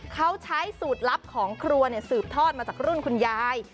เขาใช้สูตรลับของครัวสืบทอดมาจากรุ่นคุณยาย